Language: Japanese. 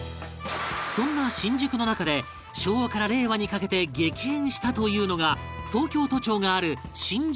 そんな新宿の中で昭和から令和にかけて激変したというのが東京都庁がある新宿